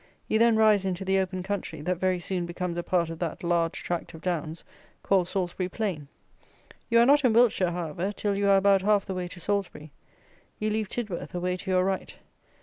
You then rise into the open country that very soon becomes a part of that large tract of downs, called Salisbury Plain. You are not in Wiltshire, however, till you are about half the way to Salisbury. You leave Tidworth away to your right.